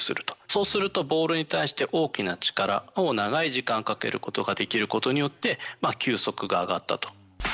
そうすると、ボールに対して大きな力を長い時間かけることができることによって、球速が上がったと。